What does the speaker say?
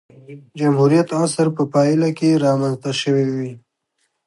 جمهوریت عصر په پایله کې رامنځته شوې وې.